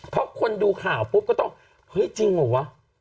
เพราะคนดูข่าวปุ๊บก็ต้องเฮ้ยจริงเหรอวะ